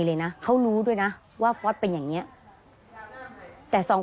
เพื่อที่จะได้หายป่วยทันวันที่เขาชีจันทร์จังหวัดชนบุรี